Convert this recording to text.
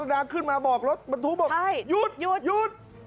แล้วนางขึ้นมาบอกรถบัตรฐูบอกหยุดหยุด